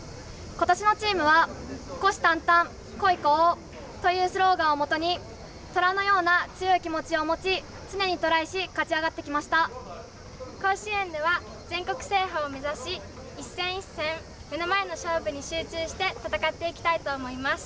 今年のチームは虎視眈々虎意虎王というスローガンをもとに虎のような強い気持ちを持ち常にトライし甲子園では全国制覇を目指し一戦一戦目の前の勝負に集中して戦っていきたいと思います。